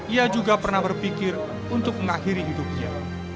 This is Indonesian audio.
ia juga pernah berpikir untuk mengakhiri hidupnya